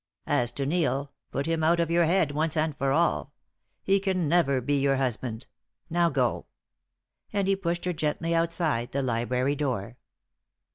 As to Neil, put him out of your head, once and for all. He can never be your husband! Now go." And he pushed her gently outside the library door.